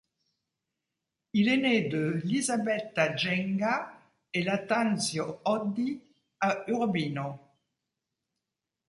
Il est né de Lisabetta Genga et Lattanzio Oddi, à Urbino.